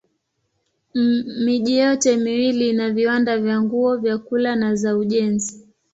Miji yote miwili ina viwanda vya nguo, vyakula na za ujenzi.